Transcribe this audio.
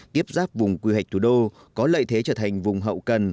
tiếp giáp vùng quy hoạch thủ đô có lợi thế trở thành vùng hậu cần